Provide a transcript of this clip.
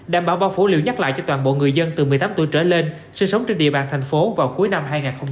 đảm bảo bao phủ nhắc lại cho toàn bộ người dân từ một mươi tám tuổi trở lên sinh sống trên địa bàn thành phố vào cuối năm hai nghìn hai mươi ba